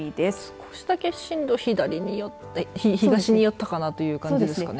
少しだけ進路が東に寄ったかなという感じですかね。